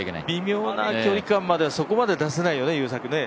微妙な距離感までは、そこまでは出せないよね？